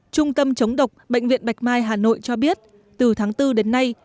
trung tâm chống độc bệnh viện bạch mai hà nội cho biết từ tháng bốn đến nay